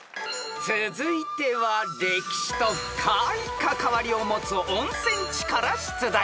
［続いては歴史と深い関わりを持つ温泉地から出題］